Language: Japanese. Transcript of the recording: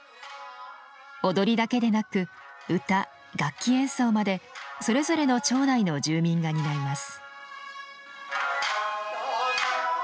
踊りだけでなく唄楽器演奏までそれぞれの町内の住民が担います。